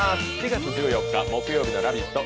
４月１４日木曜日の「ラヴィット！」